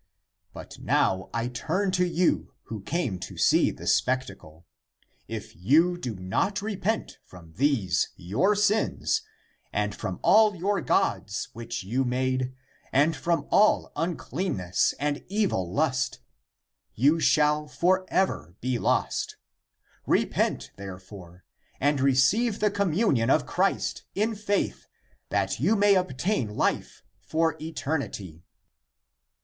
But now (I turn to you) who came to see the spectacle: if you do not repent from these your sins, and from all your gods which you made, and from all unclean ness and evil lust <you shall fgrever be lost; repent therefore and> ^^ receive the communion of Christ in faith (that) you may obtain life for eternity."